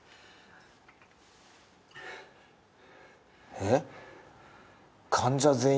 えっ？